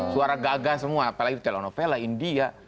suara gagah semua apalagi telok novela india